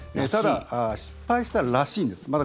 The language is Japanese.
ただ、失敗したらしいんです。